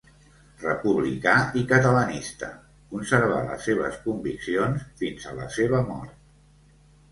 Republicà i catalanista, conservà les seves conviccions fins a la seva mort.